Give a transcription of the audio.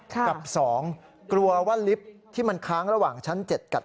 กับ๒กลัวว่าลิฟท์ที่มันค้างระหว่างชั้น๗กับ